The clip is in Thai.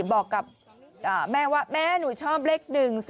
บอกกับแม่ว่าแม่หนูชอบเลข๑๒